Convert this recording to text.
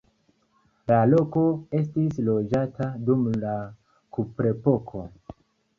La loko estis loĝata dum la kuprepoko.